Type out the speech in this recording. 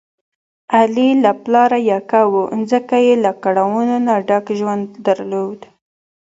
علي له پلاره یکه و، ځکه یې له کړاو نه ډک ژوند درلود.